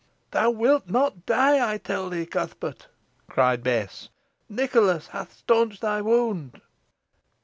"Thou wilt not die, I tell thee, Cuthbert," cried Bess; "Nicholas hath staunched thy wound."